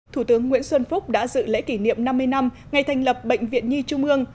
thủ tướng nguyễn xuân phúc đã dự lễ kỷ niệm năm mươi năm ngày thành lập bệnh viện nhi trung ương